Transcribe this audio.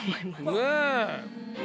ねえ。